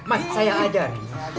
mas saya ajarin